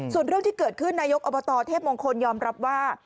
ส่วนเรื่องที่เกิดขึ้นนายกอบตเทพมงคลยอมรับว่า